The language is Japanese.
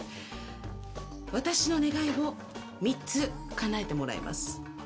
私の願いを３つかなえてもらいます。